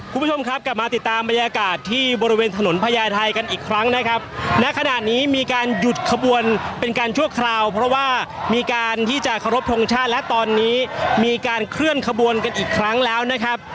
คุณผู้ชมครับกลับมาติดตามบรรยากาศที่บริเวณถนนพญาไทยกันอีกครั้งนะครับณขณะนี้มีการหยุดขบวนเป็นการชั่วคราวเพราะว่ามีการที่จะเคารพทงชาติและตอนนี้มีการเคลื่อนขบวนกันอีกครั้งแล้วนะครับ